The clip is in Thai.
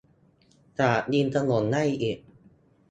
จากริมถนนได้อีกแล้ว